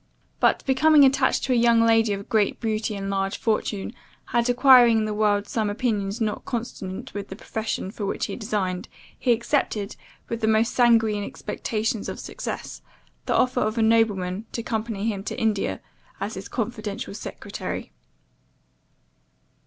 But, becoming attached to a young lady of great beauty and large fortune, and acquiring in the world some opinions not consonant with the profession for which he was designed, he accepted, with the most sanguine expectations of success, the offer of a nobleman to accompany him to India, as his confidential secretary.